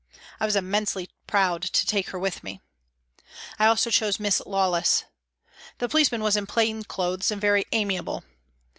I was immensely proud to take her with me. I also chose Miss Lawless. The policeman was in plain clothes and very amiable.